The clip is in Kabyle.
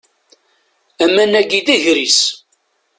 Aman-agi d agris.